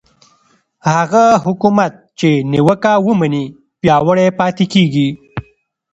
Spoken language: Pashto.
هغه حکومت چې نیوکه ومني پیاوړی پاتې کېږي